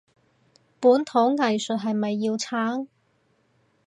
本土藝術係咪要撐？